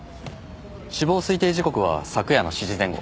死亡推定時刻は昨夜の７時前後。